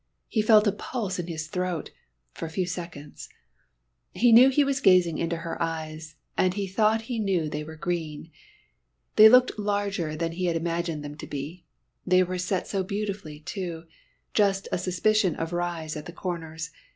He felt a pulse in his throat for a few seconds. He knew he was gazing into her eyes, and he thought he knew they were green. They looked larger than he had imagined them to be. They were set so beautifully, too, just a suspicion of rise at the corners.